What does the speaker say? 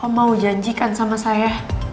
kau mau janjikan sama saya